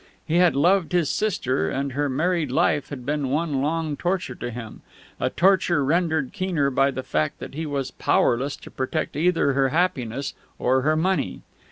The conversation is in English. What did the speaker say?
He had loved his sister, and her married life had been one long torture to him, a torture rendered keener by the fact that he was powerless to protect either her happiness or her money.